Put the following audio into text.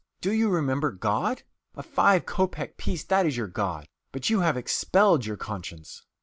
Do you remember God? A five kopek piece that is your God! But you have expelled your conscience!"